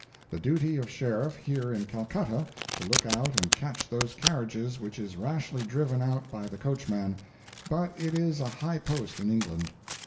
The duty of Sheriff here in Calcutta, to look out and catch those carriages which is rashly driven out by the coachman; but it is a high post in England.